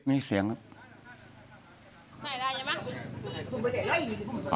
มีเสียงครับ